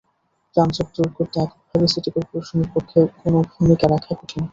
যানজট দূর করতে এককভাবে সিটি করপোরেশনের পক্ষে কোনো ভূমিকা রাখা কঠিন।